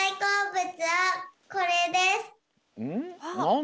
ん？